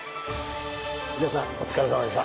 土屋さんお疲れさまでした。